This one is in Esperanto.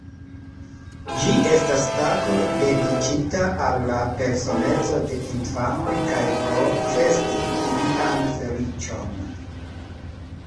Ĝi estas tago dediĉita al la personeco de infanoj kaj por festi ilian feliĉon.